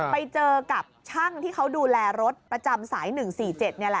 ไปเจอกับช่างที่เขาดูแลรถประจำสาย๑๔๗นี่แหละ